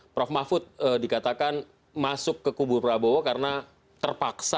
prof mahfud dikatakan masuk ke kubu prabowo karena terpaksa